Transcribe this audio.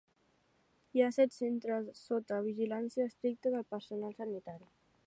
Hi ha set centres sota vigilància estricta de personal sanitari.